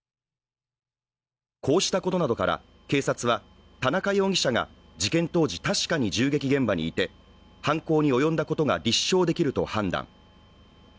こうしたことなどから警察は田中容疑者が事件当時、確かに銃撃現場にいて、犯行に及んだことが立証できると判断。